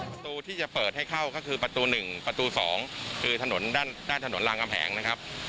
ประตูที่จะเปิดให้เข้าก็คือประตู๑ประตู๒คือถนนด้านถนนรามกำแหงนะครับ